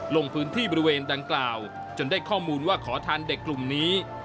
ลงพื้นที่บริเวณดังกล่าวจนได้ข้อมูลว่าขอทานเด็กกลุ่มนี้